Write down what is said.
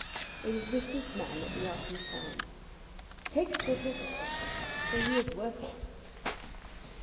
It is with this man that we are concerned. Take a good look at him; for he is worth it.